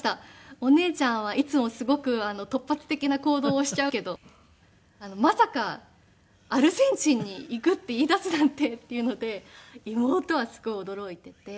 「お姉ちゃんはいつもすごく突発的な行動をしちゃうけどまさかアルゼンチンに行くって言い出すなんて」っていうので妹はすごい驚いていて。